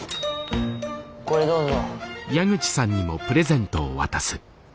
これどうぞ。